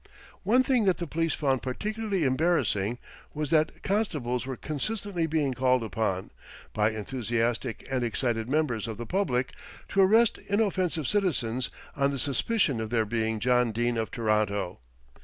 One thing that the police found particularly embarrassing was that constables were constantly being called upon, by enthusiastic and excited members of the public, to arrest inoffensive citizens on the suspicion of their being John Dene of Toronto.